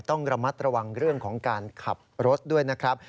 ต้องระมัดระวังเรื่องของการขับรถด้วยนะครับ